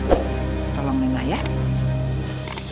jadi dia paling tahu teh kesukaan oma